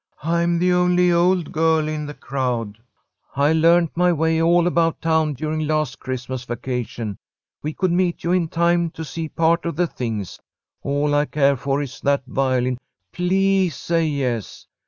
"I'm the only old girl in the crowd. I learned my way all about town during last Christmas vacation. We could meet you in time to see part of the things. All I care for is that violin. Please say yes.